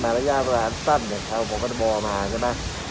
มาระยะประวัติความสั้นอย่างเท่าผมขอบอลมาใช่ป่ะ